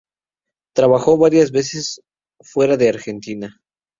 Trabajó varias veces fuera de Argentina.